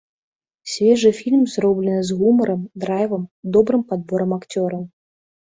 Свежы фільм, зроблены з гумарам, драйвам, добрым падборам акцёраў.